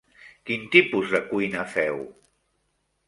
Quin tipus de cuina feu?